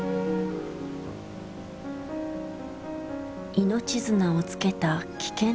命綱をつけた危険な作業。